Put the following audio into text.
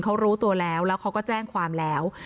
เขารู้ตัวแล้วแล้วเขาก็แจ้งความแล้ว